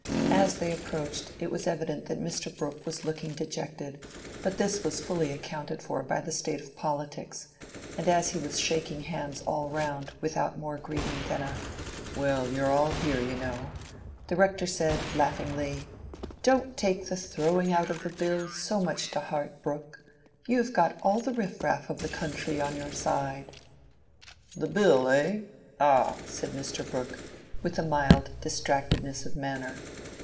As they approached, it was evident that Mr. Brooke was looking dejected, but this was fully accounted for by the state of politics; and as he was shaking hands all round without more greeting than a "Well, you're all here, you know," the Rector said, laughingly— "Don't take the throwing out of the Bill so much to heart, Brooke; you've got all the riff raff of the country on your side." "The Bill, eh? ah!" said Mr. Brooke, with a mild distractedness of manner.